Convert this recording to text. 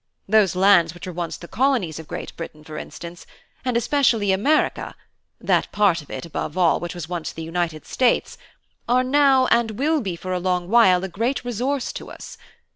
Those lands which were once the colonies of Great Britain, for instance, and especially America that part of it, above all, which was once the United states are now and will be for a long while a great resource to us.